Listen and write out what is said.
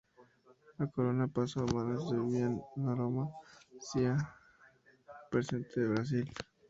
La corona pasó a manos de Vivian Noronha Cia, representante de Brasil.